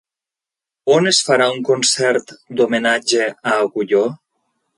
On es farà un concert d'homenatge a Agulló?